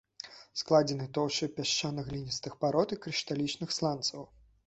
Складзены тоўшчай пясчана-гліністых парод і крышталічных сланцаў.